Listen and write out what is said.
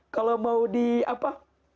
kalau mau di apa